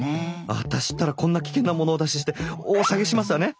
あたしったらこんな危険なものをお出ししてお下げしますわね。